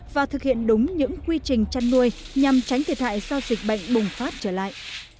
và thực hiện đúng những quy trình chăn nuôi nhằm tránh thiệt hại do dịch bệnh bùng phát trở lại